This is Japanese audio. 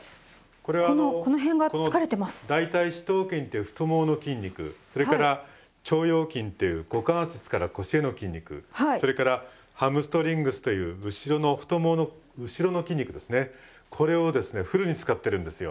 これはあのこの大腿四頭筋っていう太ももの筋肉それから腸腰筋っていう股関節から腰への筋肉それからハムストリングスという後ろの太ももの後ろの筋肉ですねこれをですねフルに使ってるんですよ。